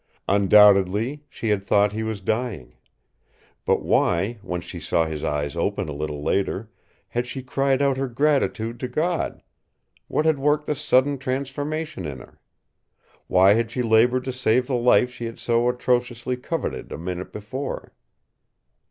Undoubtedly she had thought he was dying. But why, when she saw his eyes open a little later, had she cried out her gratitude to God? What had worked the sudden transformation in her? Why had she labored to save the life she had so atrociously coveted a minute before?